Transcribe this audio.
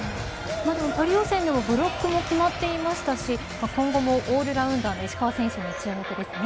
パリ予選でもブロックも決まっていましたし今後もオールラウンダーの石川選手に注目ですね。